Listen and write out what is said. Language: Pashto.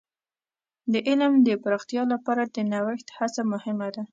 د علم د پراختیا لپاره د نوښت هڅه مهمه ده.